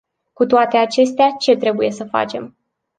Cu toate acestea, ce trebuie să facem?